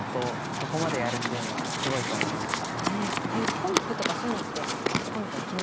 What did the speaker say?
そこまでやるっていうのがすごいと思いました。